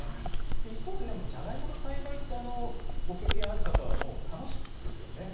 一方でジャガイモの栽培ご経験がある方は楽しいですよね。